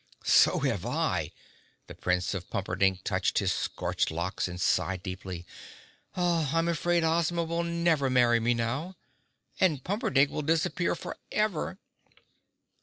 "So have I!" The Prince of Pumperdink touched his scorched locks and sighed deeply. "I'm afraid Ozma will never marry me now, and Pumperdink will disappear forever!"